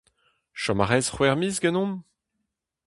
Chom a rez c'hwec'h miz ganeomp ?